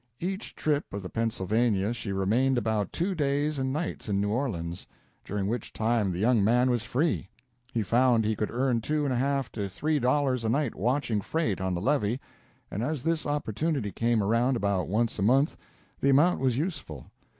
Each trip of the "Pennsylvania" she remained about two days and nights in New Orleans, during which time the young man was free. He found he could earn two and a half to three dollars a night watching freight on the levee, and, as this opportunity came around about once a month, the amount was useful.